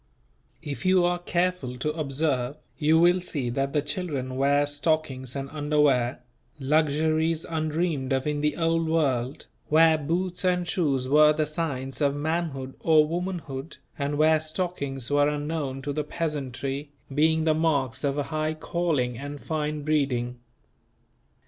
If you are careful to observe, you will see that the children wear stockings and underwear; luxuries undreamed of in the Old World, where boots and shoes were the signs of manhood or womanhood, and where stockings were unknown to the peasantry, being the marks of a high calling and fine breeding.